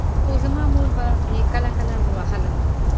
خو زما مور به يې کله کله وهله.